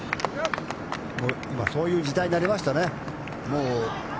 そういう時代になりましたね。